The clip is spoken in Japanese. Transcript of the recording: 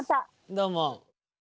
どうも。